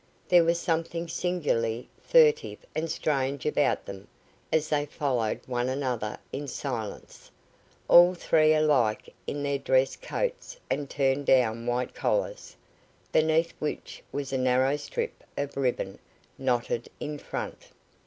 There was something singularly furtive and strange about them as they followed one another in silence, all three alike in their dress coats and turned down white collars, beneath which was a narrow strip of ribbon, knotted in front.